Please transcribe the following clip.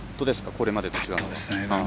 これまでと違うのは？